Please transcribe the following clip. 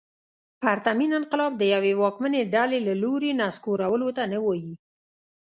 پرتمین انقلاب د یوې واکمنې ډلې له لوري نسکورولو ته نه وايي.